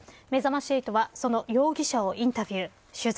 めざまし８はその容疑者をインタビュー取材。